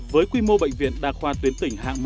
với quy mô bệnh viện đa khoa tuyến tỉnh hạng một